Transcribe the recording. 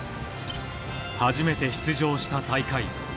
初めて出場した大会。